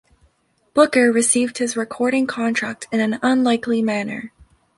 Booker received his recording contract in an unlikely manner.